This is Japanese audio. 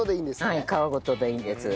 はい皮ごとでいいです。